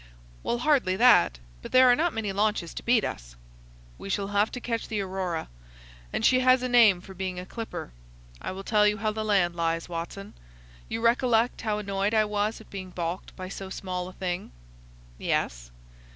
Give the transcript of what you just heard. "Well, hardly that. But there are not many launches to beat us." "We shall have to catch the Aurora, and she has a name for being a clipper. I will tell you how the land lies, Watson. You recollect how annoyed I was at being balked by so small a thing?" "Yes."